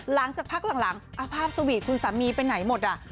หลังจากพักหลังภาพสวีทคุณสามีไปไหนหมดอ่ะ